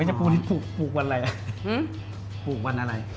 ไอ้ชาปรูนี่ปลูกปลูกวันอะไรอ่ะปลูกวันอะไร